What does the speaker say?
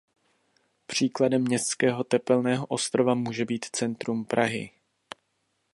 Příkladem městského tepelného ostrova může být centrum Prahy.